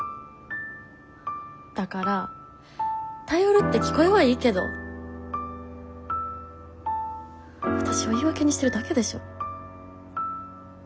だから頼るって聞こえはいいけどわたしを言い訳にしてるだけでしょ？